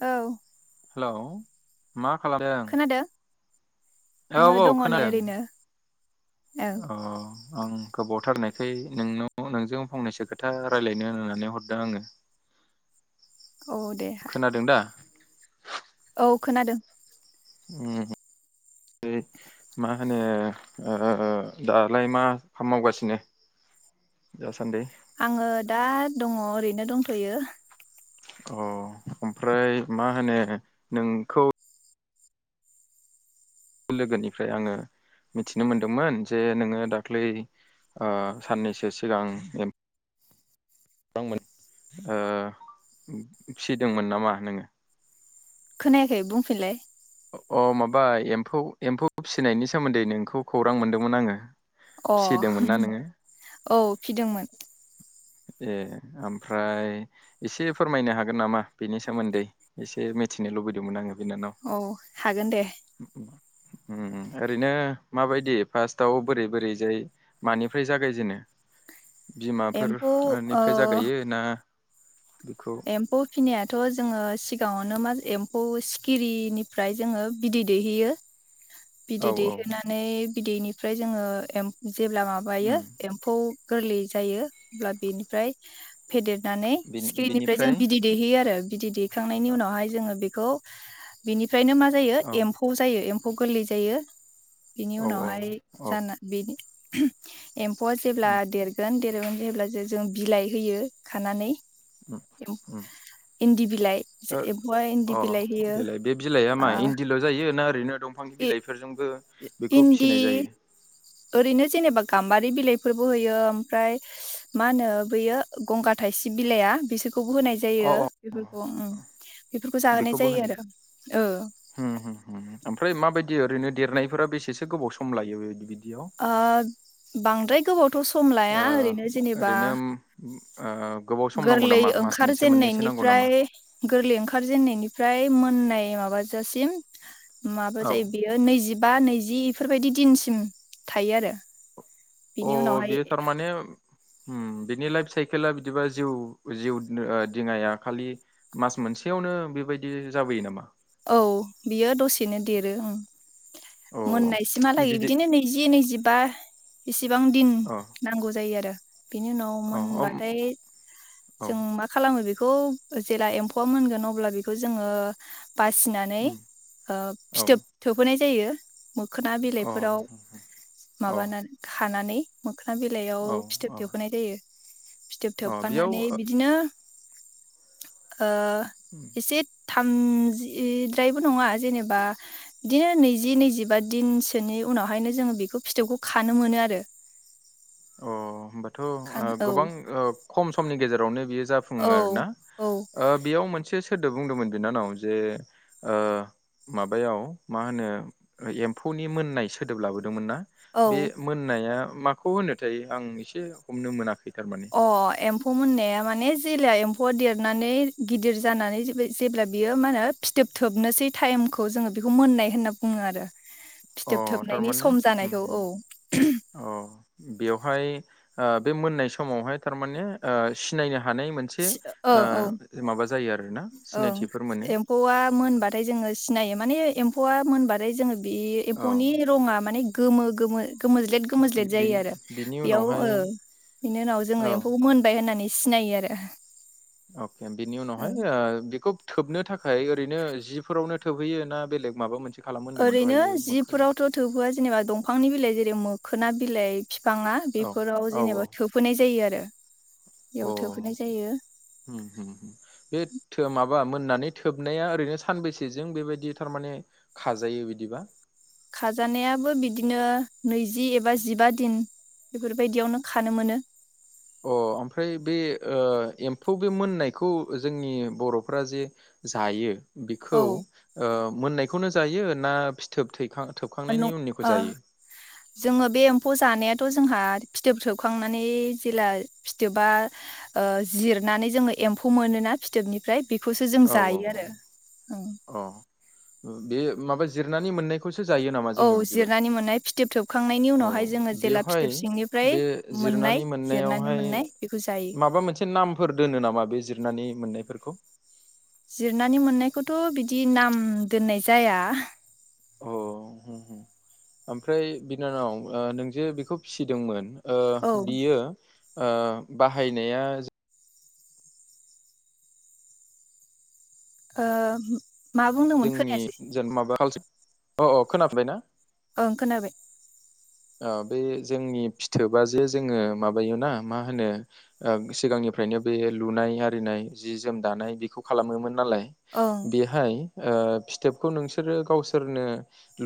औ हेल' मा खालामदों। खोनादों औ आङो औ दङ नै खोनादों। ओरैनो औ अ आं गोबावथारनायखाय नोंनाव नोंजों फंनैसो खोथा रायजलायनो होननानै हरदों आङो। औ दे खोनादों दा ओ खोनादों। ओम होनो दालाय ओ मा मावगासिनो दासान्दि। आङो दा दङ ओरैनो दंथ'यो। अ ओमफ्राय मा होनो नोंखौ लोगोनिफ्राय आङो मिथिनो मोनदोंमोन जे नोङो दाख्लै ओ साननैसो सिगां ओ फिसिदोंमोन नामा नोङो। खोनायाखै बुंफिनलाय। अ माबा एम्फौ एम्फौ फिसिनायनि सोमोन्दै नोंखौ खौरां मोनदोंमोन आङो। अ फिसिदोंमोन ना नोङो औ फिदोंमोन। ए ओमफ्राय एसे फोरमायनो हागोन। नामा बेनि सोमोन्दै एसे मिथिनो लुबैदोंमोन आङो। बिनानाव औ हागोन दे उम उम ओरैनो माबायदि फार्स्टआव बोरै बोरैजाय मानिफ्राय जागायजेनो। बिमाफोर। एम्फौ ओ ओनिफ्राय जागायो ना। बेखौ एम्फौ फिनायाथ' जोङो सिगाङावनो माजो। एम्फौ सिखिरिनिफ्राय जोङो बिदै दैहोयो। औ बिदै औ दैहोनानै। बिदैनिफ्राय जोङो एम। जेब्ला उम माबायो एम्फौ। गोरलै जायो अब्ला बेनिफ्राय फेदेद। नानै बिनि- सिखिरिनि। बेजों बिनिफ्राय बिदि दैहोयो आरो बिदै दैहोयो खांनायनि औ उनावहाय जोंङो बे। खौ बिनि। फ्रायनो मा जायो औ एम्फौ जायो एम। खौ गोरलै जायो। बिनि औ उनावहाय औ जाना बेनि। [unintelligible] एम्फौआ जेब्ला उम देरगोन देर। जों जेब्ला जो जों बिलाइ होयो खानानै। उम उम इन्दि बिलाइ ओ एम्फौआ इन्दि अ अ बिलाइ होयो देलाय बे बिलाइआ मा आ इन्दिल' जायो ना ओरैनो दं। फां बिलाइफोरजोंबो बेखौ इन्दि फिसिनाय जायो। ओरैनो जेनेबा गाम्बारि बिलाइफोरबो होयो ओमफ्राय मा होनो बैयो गंगार थाइसिब बिलाइया बिसोर। खौबो होनाय अ जायो अ बेफोरखौ उम बेफोरखौ जाहोनाय बेखौबो जायो होनाय आरो ओ। होम होम होम ओमफ्राय माबायदि ओरैनो देरनायफोरा बेसेसो गोबाव सम लायो बेबायदि बिदि। ओ बांद्राय गोबाव। ओ ओरैनो उम ओ। गोबाव सम नांगौ गोरलै नामा मास ओंखार मोनसे मोननैसो नांगौ जेननायनिफ्राय नामा गोरलै ओंखार जेननायनिफ्राय। मोननाय माबाजासिम। माबा औ जायो बियो नैजिब। बा नैजिफोर इफोरबायदि दिनसिम थायो आरो। अ बिनि उनावहाय बियो थारमाने। उम्म बिनि लाइफ साइकेला बिदिबा जिउ जिउ नो ओ दिङाया खालि मास मोनसेयावनो बेबायदि जाबोयो नामा? औ बियो दसेनो देरो उम अ मोननायसिमहालागै बिदै बिदिनो नैजि नैजिबा इस सिबां दिन अ नांगौ जायो आरो बेनि उनाव अ अम मोनबाथाय औ जों मा खालामो बे खौ जेला एम्फौआ मोनगोन अब्ला बेखौ जोङो बासिनानै उम ओ औ अ फिथोब थोबहोनाय जायो मोखोना बिलाइफोराव अ माबानान खानानै मोखोना बिलाइयाव औ फिथोब औ थोबहोनाय जायो। फिथोब अ बेयाव थोबफानानै अ बिदिनो [inaudible] ओ इसे थामजि इद्रायबो नङा जेनेबा बिदिनो नैजि नैजिबा दिनसोनि उनावहायनो जोङो बेखौ फिथोबखौ खानो मोनो आरो अ होमबा थ खान ओ औ गोबां ओ खम समनि गेजेर रावनो बियो जाफुङो‌ औ आरोना औ ओ बेयाव मोनसे सोदोब बुंदोंमोन बिनानाव जे ओ माबायाव मा होनो एम्फौनि मोननाय सोदोब लाबोद दोंमोनना औ बे मोननाया माखौ होनो? थाय आं एसे हमनो मोनाखै अ एम म्फौ मोननाया माने जेला एम्फौ देरनानै गिदिर जानानै जेब्ला बियो मा होनो फिथोब थोबनोसै टाइमखौ जोङो बेखौ मोननाय होनना बुङो आरो अ फिथोब थोबनायनि थारमाने सम उम जानायखौ उम औ अ बेवहाय ओ बे मोननाय समावहाय थारमाने ओ सिनायनो हा थानै मोनसे ओं औ ओ माबा जायो आरोना ओं सिनायथिफोर मोनो एम्फौआ मोनबाथाय जोङो सिनायो। माने एम्फौआ मोनबाथाय जोङो बे औ एम्फौनि रङा माने गोमो गोमो गोमोज्लेद गोमज्लेद जायो आरो बिनि बेयाव ओ उनावहाय बिनि उनाव औ जोङो एम्फौखौ मोनबाय होननानै सिनायो आरो। अ। केमपिननि उनावहाय ओं ओ बेखौ थोबनो थाखाय ओरैनो जिफोरावनो थोबहैयो ना बेलेग माबा मोनसे खालामो होनदोंमोन ओरैनो दहायो मोखोना जिफोरावथ' थोहोआ जेनेबा दंफांनि बिलाइ जेरै मब खोना बिलाय। फिफाङा औ बेफोराव औ औ जेनेबा थोफोनाय जायो आरो बेयाव अ थोबहोनाय जायो उम उम बे थो माबा मोननानै थोबनाया ओरैनो सानबेसेजों बेबायदि थारमाने खाजायो बिदिबा? खाजानायाबो बिदिनो नैजि एबा जिबा दिन बेफोरबायदियावनो खानो मोनो। अ ओमफ्राय बे ओ एम्फौ बे मोननायखौ जोंनि बर'फोरा जे जायो। औ बिखौ ओ मोननायखौनो जायो ना फिथोब थैखां ओ थोबखांनायनि नं उननिखौ ओ जायो जोङो बे एम्फौ जानाया थ' जोंहा फिथोब थोबखांनानै जेला फिथोबा ओ जिरनानै जोङो एम्फौ मोनोना फिथोबनिफ्राय बेखौसो जों औ औ जायो आरो अ। अ। ओ बे माबा जिरनानै मोननायखौ। खौसो जायो नामा औ जोङो बिदिबा जिरनानै मोननाय फिथोब थोबखांनायनि अ उनावहाय जोङो जेला बेवहाय फिथोब सिंनिफ्राय बे मोननाय जिरनानै जिरनानै मोननायावहाय मोननाय बेखौ जायो माबा मोनसे नामफोर दोनो नामा बे जिरनानै मोननायफोरखौ? जिरनानै मोननायखौथ' बिदि नाम दोननाय जाया। अ ओमफ्राय बिनानाव ओ नोंजोे बेखौ फिसिदोंमोन ओ औ बियो ओ बाहायनाया ज ओ मा बुंदोंमोन जोंनि खोनायासै जेन माबा कालस अ ओ खोना फिनबायना? ओं खोनाबाय। ओ बे जोंनि फिथोबा जे जोङो माबायोना मा होनो ओ सिगांनिफ्रायनो बे लुनाय आरिनाय जि जोम दानाय बेखौ खालामोमोन। नालाय ओं बेहाय ओ फिथोबखौ नोंसोरो गावसोरनो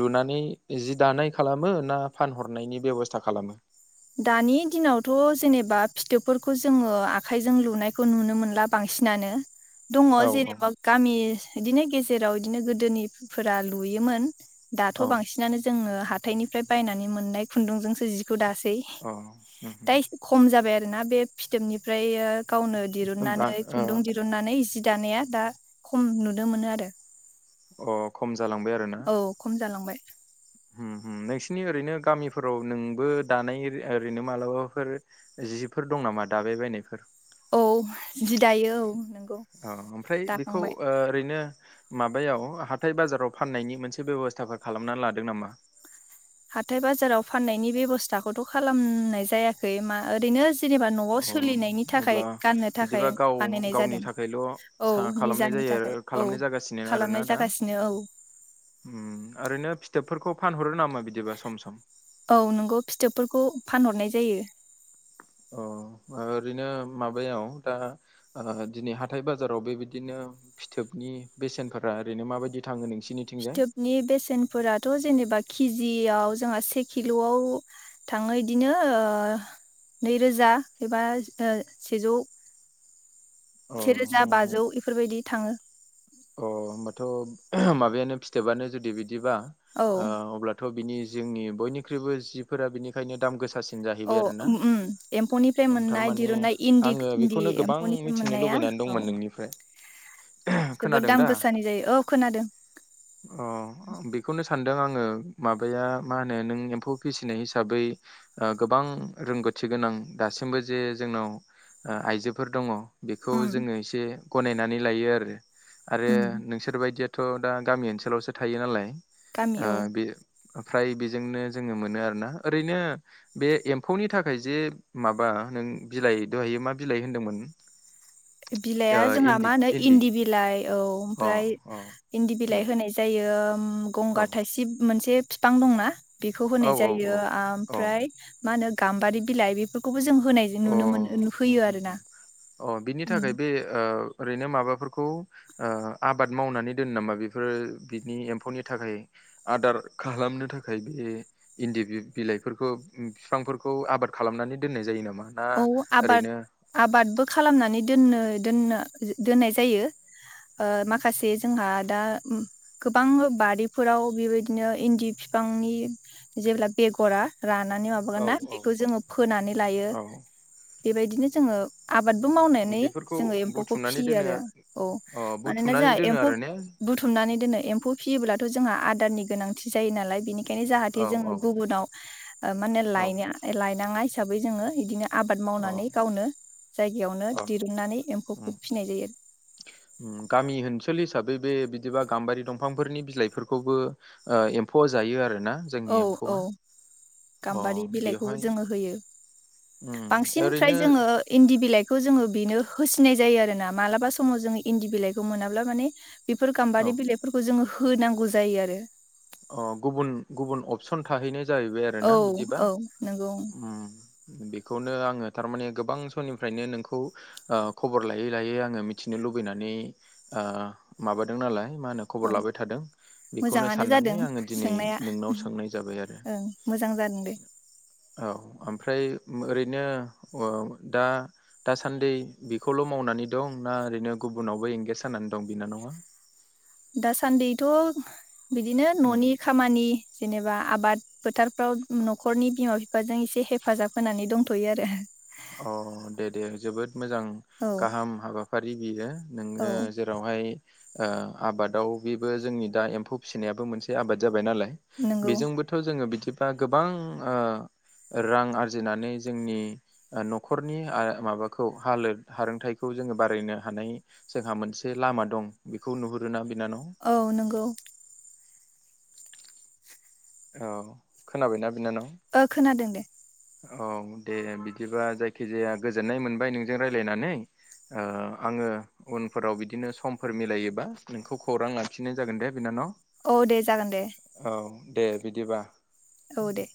लुनानै जि दानाय खालामो ना फानहरनायनि बेब'स्था खालामो? दानि दिनावथ' जेनेबा फिथोबफोरखौ जोङो आखाइजों लुनायखौ नुनो मोनला बांसिनानो दङ औ जेनेबा गामि बिदिनो गेजेराव इदिनो गोदोनिफोरा लुयोमोन औ दाथ' बांसिनानो जोंङो हाथ हाथाइनिफ्राय बायनानै मोननाय खुन्दुंजोंसो जिखौ दासै अ उमहो दा एसे [unintelligible] बे फिथोबनिफ्रायो गावनो होमबा दिरुननानै खुन्दुं ओ दिरुननानै दानाया दा खम नुनो मोनो आरो अ खम जालांबाय औ खम जालांबाय। [inaudible] उ उ नोंसोरनि ओरैनो गामिफोराव नोंबो दानाय ओरै ओरैनो मालाबाफोर जिफोर दं नामा दाबाय बायनायफोर? औ जि दायो औ औ ओमफ्राय बेखौ दाखांबाय ओ ओरैनो माबायाव हाथाय बाजाराव फाननायनि मोनसे बेब'स्थाफोर खालामना लादों नामा? हाथाय बाजाराव फाननायनि बेब'स्थाखौथ' खालामनाय जायाखै मा ओरैनो जेनेबा न'आव अ सोलिनायनि थाखाय अब्ला गाननो बिदिबा थाखाय गाव बानायनाय गावनि जादों थाखायल' औ सा खालामनाय निजानि थाखाय जायो औ खालामनाय जागासिनो खालामनाय आरोना दा जागासिनो औ ओरैनो फिथोबफोरखौ फान हरो नामा? बिदिबा सम सम औ नोंगौ फिथोबफोरखौ फानहरनाय जायो जायो अ ओरैनो माबायाव दा दिनै हाथाय बाजाराव बेबायदिनो फिथोबनि बेसेनफोरा ओरैनो माबायदि थाङो नोंसिनि फिथोबनि बेसेनफोराथ' जेनेबा खिजि जियाव जोंहा से किल'आव थाङो इदिनो ओ नैरोजा एबा सेजौ अ सेेरोजा होम होम बाजौ बेफोरबायदि थाङो अ होमबाथ' ओ माबायानो फिथोबानो जुदि बिदि बिदिबा औ ओ अब्लाथ' बिनि जोंनि बयनिख्रुइबो जिफोरा बिनिखायनो दाम गोसासि औ ओम एम्फौनिफ्राय मोननाय थारमाने दिरुन्नाय इन्दि आङो इन्दि बेखौनो गोबां एम्फौनिफ्राय मिथिनो मोननाया लुबैनानै औ दंमोन नोंनिफ्राय जोबोद खोनादों दाम दा गोसानि जायो औ खोनादों अ आं बेखौनो सानदों आं ओ माबाया मा होनो नों एम्फौ फिसिनाय हिसाबै ओ गोबां रोंगौथि गोनां दासिमबो जे जोंनाव ओ आइजोफोर दङ बेखौ उम जोङो एसे गनायनानै लायो आरो आरो उम नोंसोर बायदियाथ' दा गामि ओनसोलावसो थायो नालाय गामि आ औ बे ओमफ्राय बेजोंनो जोङो मोनो आरोना ओरैनो बे एम्फौनि थाखाय जे माबा नों बिलाइ दहायो मा बिलाइ होनदोंमोन? ओ बिलाइआ जोंहा इन्दि मा होनो इन्दि बिलाइ औ अ ओमफ्राय अ इन्दि उम बिलाइ होनाय जायो। बियो औ गंगार थाइसिब मोनसे फिफां दंना? बेखौ औ होनाय औ जायो औ ओमफ्राय मा होनो गामबारि बिलाय बेफोरखौ बो जों होनाय अ नुनो मोनो होम होयो होम आरोना। उम थाखाय बे ओ ओ ओरैनो माबाफोरखौ ओ आबाद मावनानै दोनो नामा बेफोर बेनि एम्फौनि थाखाय आदार खालामनो थाखाय बे इन्दि बिलाइफोरखौ बिफांफोरखौ आबाद खालामनानै दोननाय जायो नामा? ना औ आबाद ओरैनो आबादबो खालामनानै दोननो दोननो दोननाय जायो ओ माखासे जोंहा दा ओम गोबां बारिफोराव बेबायदिनो इन्दि फिफांनि जेब्ला बेगरा रानानै माबागोन औ ना औ बेखौ जोङो फोनानै लायो। औ बेबायदिनो जोङो आबादबो मावनानै बेफोरखौ जोङो एम्फौखौ बुथुमनानै फिसियो दोनो आरो औ अ मानोना बुथुमनानै जोंहा दोनो एम्फौ आरो ने बुथुमनानै दोनो एम्फौ फियोब्ला जोंहा आदारनि गोनांथि जायो नालाय बेनि खायनो जाहाथे औ जोङो औ गुबुनाव ओ माहोनो औ लायना लायनाङा बे हिसाबै जोङो बिदिनो आबाद अ मावनानै गावनो जायगायावनो अ दिरुननानै एम्फौखौ फिसिनाय जायो। ओम गामि ओनसोल हिसाबै बे बिदिबा गाम्बारि दंफांफोरनि बिलाइफोरखौबो ओ एम्फौआ जायो आरो औ औ अ गाम्बारि बिलाइखौबो बेवहाय जोङो होयो। उम बांसिन ओरैनो फ्राय जोङो इन्दि बिलाइ खौ जोङो बेनो होसिनाय जायो आरो ना मालाबा समाव जोङो इन्दि बिलाइखौ मोनाब्ला माने बेफोर औ गाम्बारि बिलाइफोरखौ जोङो होनांगौ जायो आरो। अ गुबुन गुबुन अपसन थाहैनाय औ औ नों ओम बेखौनो आङो थारमाने गोबां समनिफ्रायनो नोंखौ ओ खबर लायै लायै आङो मिथिनो लुबैनानै ओ माबादों नालाय मा होनो औ खबर लाबाय थादों। बेखौनो मोजाङानो साननानै जादों आङो दिनै सोंनाया नोंनाव सोंनाय जाबाय आरो। ओं मोजां जादों दे औ ओमफ्राय ओम ओरैनो ओ दा दासान्दि बेखौल' मावनानै दं ना ओरैनो गुबुनावबो एंगेज जानानै दं बिनानावा? दासान्दैथ' बिदिनो उम न'नि खामानि जेनेबा आबाद फोथारफ्राव न'खरनि बिमा बिफाजों एसे हेफाजाब होनानै दंथ'यो आरो। अ दे दे जोबोद मोजां औ गाहाम हाबा फारि बियो। नोङो औ जेरावहाय ओ आबादाव बेबो जोंनि दा एम्फौ फिसिनायाबो मोनसे आबाद जाबाय नालाय नंगौ बेजोंबोथ' जोङो बिदि दा गोबां ओ रां आरजिनानै जोंनि न'खरनि माबाखौ हालोद हारोंथायाइखौ जोङो बारायनो हानाय जोंहा मोनसे लामा दं बेखौ नुहुरोना। बिनानाव औ नंगौ औ खोनाबायना बिनानाव ओ खोनादों दे औ दे बिदिबा जायखिजाया गोजोननाय मोनबाय नोंजों रायलाययनानै ओ आङो उनफोराव बिदिनो समफोर मिलायोबा नोंखौ खौरां लाखिनाय जागोन दे बिनानाव औ दे जागोन दे। औ दे बिदिबा औ दे